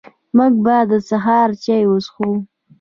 موږ به د سهار چاي وڅښو